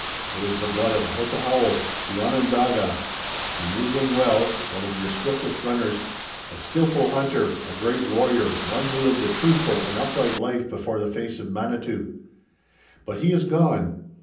"It is the blood of Hosahaho, the Onondaga. You knew him well, one of your swiftest runners, a skillful hunter, a great warrior, one who lived a truthful and upright life before the face of Manitou. But he is gone.